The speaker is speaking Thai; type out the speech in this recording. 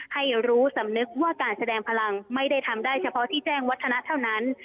ให้รู้สำนึกว่าการแสดงพลังไม่ได้ทำได้เฉพาะที่แจ้งวัฒนะเท่านั้น